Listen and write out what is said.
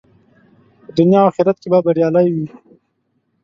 په دنیا او آخرت کې به بریالی وي.